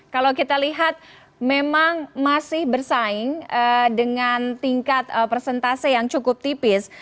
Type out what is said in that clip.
kalau kita lihat memang masih bersaing dengan tingkat persentase yang cukup tipis